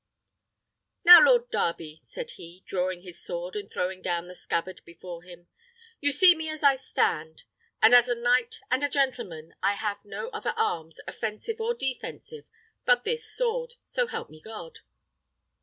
"Now, Lord Darby," said he, drawing his sword, and throwing down the scabbard before him, "you see me as I stand; and as a knight and a gentleman, I have no other arms, offensive or defensive, but this sword, so help me God!"